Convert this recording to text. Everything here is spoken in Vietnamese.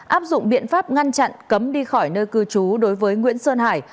áp dụng biện pháp ngăn chặn cấm đi khỏi nơi cư trú đối với nguyễn sơn hải